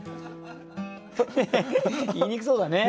言いにくそうだね。